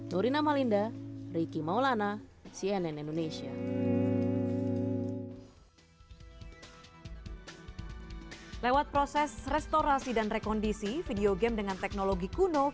nurina malinda riki maulana cnn indonesia